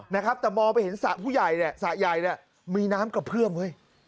นะครับแต่มองไปเห็นสระผู้ใหญ่เนี่ยสระใหญ่เนี่ยมีน้ำกระเพื่อมเฮ้ย